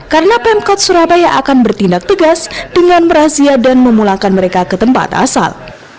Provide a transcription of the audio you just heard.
karena pemkot surabaya akan bertindak tegas dengan merazia dan memulakan mereka ke tempat asal